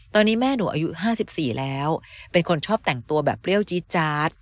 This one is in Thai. ตอนนี้แม่หนูอายุ๕๔แล้วเป็นคนชอบแต่งตัวแบบเปรี้ยวจี๊ดจาด